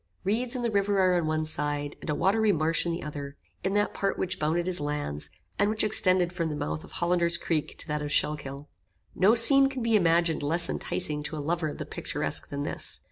Reeds and the river are on one side, and a watery marsh on the other, in that part which bounded his lands, and which extended from the mouth of Hollander's creek to that of Schuylkill. No scene can be imagined less enticing to a lover of the picturesque than this.